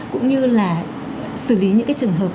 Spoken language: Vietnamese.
cũng như là xử lý những cái trường hợp